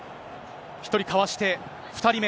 １人かわして、２人目。